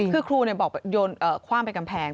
คือครูบอกโยนคว่างไปกำแพง